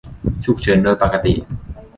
ฉุกเฉินโดยปกติ